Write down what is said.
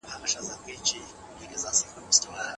څېړنه څه ډول حوصله غواړي؟